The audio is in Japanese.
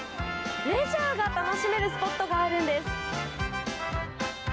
レジャーが楽しめるスポットがあるんです。